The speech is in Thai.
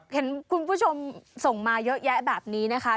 เห็นคุณผู้ชมส่งมาเยอะแยะแบบนี้นะคะ